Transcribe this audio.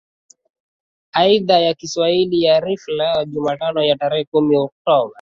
a idhaa ya kiswahili ya rfi leo jumatano ya tarehe kumi oktoba